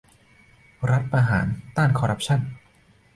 รัฐประหารต้านคอรัปชั่น